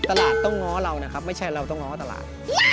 ตลาดต้องง้อเรานะครับไม่ใช่เราต้องง้อตลาด